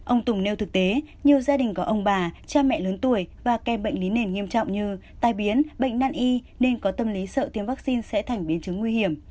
ông tùng nêu thực tế nhiều gia đình có ông bà cha mẹ lớn tuổi và kem bệnh lý nền nghiêm trọng như tai biến bệnh nan y nên có tâm lý sợ tiêm vaccine sẽ thành biến chứng nguy hiểm